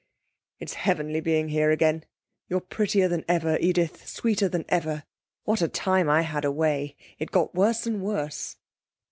'It's heavenly being here again. You're prettier than ever, Edith; sweeter than ever. What a time I had away. It got worse and worse.'